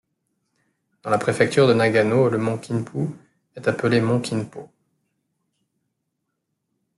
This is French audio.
Dans la préfecture de Nagano, le mont Kinpu est appelé mont Kinpō.